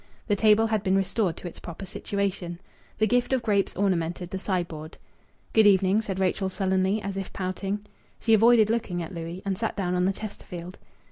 The table had been restored to its proper situation. The gift of grapes ornamented the sideboard. "Good evening," said Rachel sullenly, as if pouting. She avoided looking at Louis, and sat down on the Chesterfield.